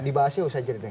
dibahasnya usah aja deh